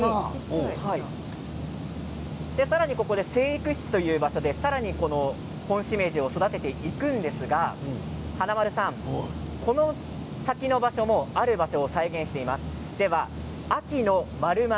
さらに生育室という場所でホンシメジを育てていくんですが華丸さん、この先の場所もある場所を再現しています。